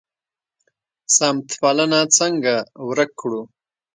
سمت پالنه څنګه ورک کړو؟